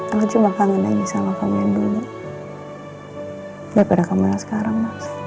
aku cuma kangen lagi sama kamu dulu hai berapa menang sekarang